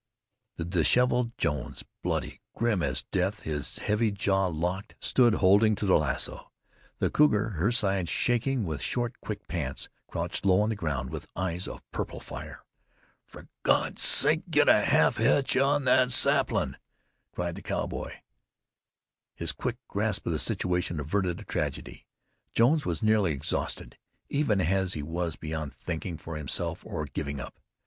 The disheveled Jones, bloody, grim as death, his heavy jaw locked, stood holding to the lasso. The cougar, her sides shaking with short, quick pants, crouched low on the ground with eyes of purple fire. "For God's sake, get a half hitch on the saplin'!" called the cowboy. His quick grasp of the situation averted a tragedy. Jones was nearly exhausted, even as he was beyond thinking for himself or giving up.